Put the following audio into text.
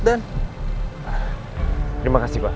terima kasih pak